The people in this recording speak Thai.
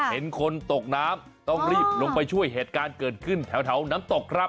เห็นคนตกน้ำต้องรีบลงไปช่วยเหตุการณ์เกิดขึ้นแถวน้ำตกครับ